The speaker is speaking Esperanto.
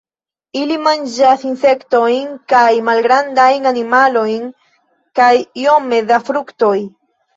Ili manĝas insektojn kaj malgrandajn animalojn kaj iome da fruktoj.